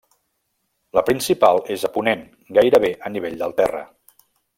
La principal és a ponent, gairebé a nivell del terra.